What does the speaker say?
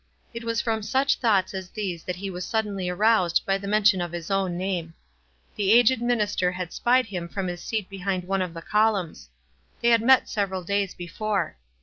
It was from such thoughts as these that he was suddenly aroused by the mention of his own name. The aged minister had spied him from his seat behind one of the columns. They had met several days before.